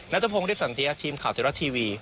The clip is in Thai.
นะธพงค์ริษัทเตียทีมข่าวเตรียมรัดทีวี